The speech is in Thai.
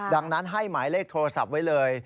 ดังนั้นให้หมายเลขโทรศัพท์ไว้เลย